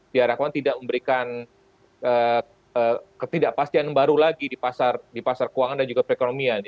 diharapkan tidak memberikan ketidakpastian baru lagi di pasar keuangan dan juga perekonomian